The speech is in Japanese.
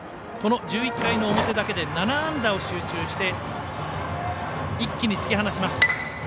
この１１回の表だけで７安打を集中させて一気に突き放します。